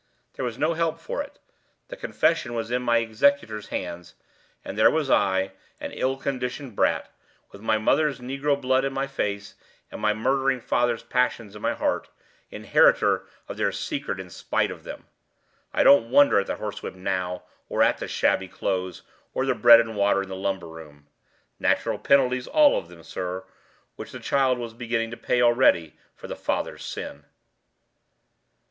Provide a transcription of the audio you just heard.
There was no help for it the confession was in the executor's hands, and there was I, an ill conditioned brat, with my mother's negro blood in my face, and my murdering father's passions in my heart, inheritor of their secret in spite of them! I don't wonder at the horsewhip now, or the shabby old clothes, or the bread and water in the lumber room. Natural penalties all of them, sir, which the child was beginning to pay already for the father's sin."